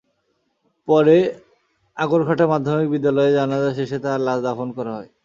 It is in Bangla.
পরে আগড়ঘাটা মাধ্যমিক বিদ্যালয়ে জানাজা শেষে তাঁর লাশ দাফন করা হয়।